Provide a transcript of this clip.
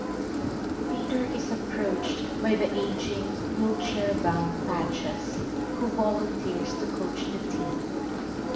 Peter is approached by the aging, wheelchair-bound Patches, who volunteers to coach the team.